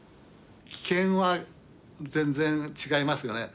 危険は全然違いますよね。